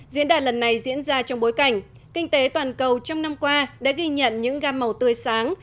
diễn đàn lần này diễn ra trong bối cảnh kinh tế toàn cầu trong năm qua đã ghi nhận những gam màu tươi sáng